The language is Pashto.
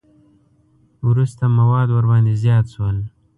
وروسته مواد ورباندې زیات شول.